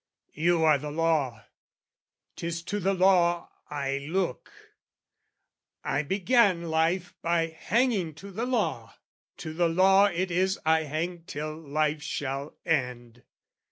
You are the law: 'tis to the law I look. I began life by hanging to the law, To the law it is I hang till life shall end.